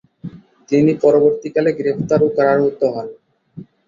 তিনি পরবর্তীকালে গ্রেফতার ও কারারুদ্ধ হন।